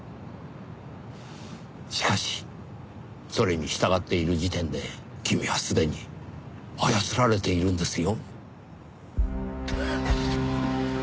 しかしそれに従っている時点で君はすでに操られているんですよ。